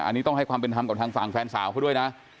อันนี้ต้องให้ความเป็นธรรมกับทางฝั่งแฟนสาวเขาด้วยนะ